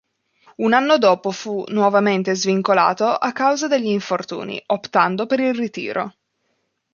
Un anno dopo fu nuovamente svincolato a causa degli infortuni, optando per il ritiro.